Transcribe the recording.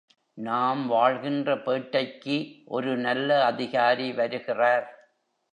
நாம் வாழ்கின்ற பேட்டைக்கு ஒரு நல்ல அதிகாரி வருகிறார்.